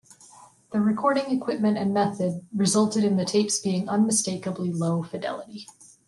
The recording equipment and method resulted in the tapes being unmistakably low fidelity.